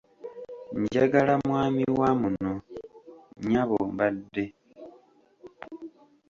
Njagala mwami wa muno nnyabo mbadde